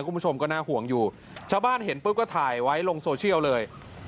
คุณผู้ชมก็น่าห่วงอยู่ชาวบ้านเห็นปุ๊บก็ถ่ายไว้ลงโซเชียลเลย